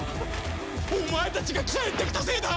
お前たちが帰ってきたせいだ！